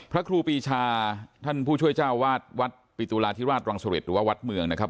พระครูปีชาท่านผู้ช่วยเจ้าวาดวัดปิตุลาธิราชรังสริตหรือว่าวัดเมืองนะครับ